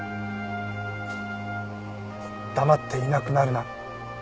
「黙っていなくなるな」。